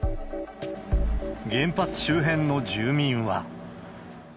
原発周辺の住民は。